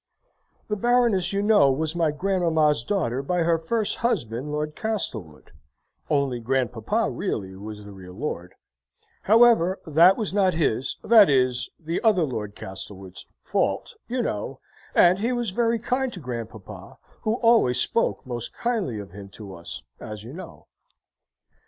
The Baroness, you know, was my Grandmamma's daughter by her first husband, Lord Castlewood (only Grandpapa really was the real lord); however, that was not his, that is, the other Lord Castlewood's fault, you know, and he was very kind to Grandpapa, who always spoke most kindly of him to us as you know.